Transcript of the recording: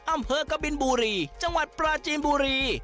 อำเภอกบินบุรีจังหวัดปราจีนบุรี